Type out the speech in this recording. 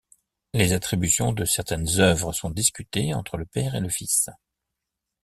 Les attributions de certaines œuvres sont discutées entre le père et le fils.